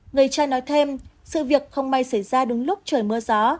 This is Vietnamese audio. người trai nói thêm sự việc không may xảy ra đúng lúc trời mưa gió